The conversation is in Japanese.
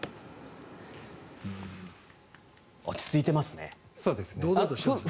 落ち着いてますね。